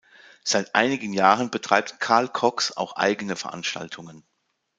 Seit einigen Jahren betreibt Carl Cox auch eigene Veranstaltungen.